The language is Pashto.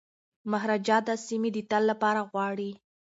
مهاراجا دا سیمي د تل لپاره غواړي.